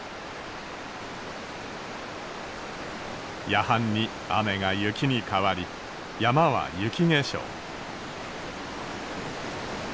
夜半に雨が雪に変わり山は雪化粧。